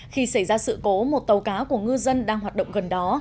khi xảy ra sự cố một tàu cá của ngư dân đang hoạt động gần đó